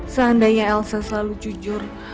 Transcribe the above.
seandainya elsa selalu jujur